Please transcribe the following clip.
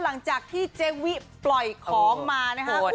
หลังจากที่เจวิปล่อยของมานะครับ